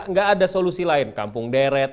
nggak ada solusi lain kampung deret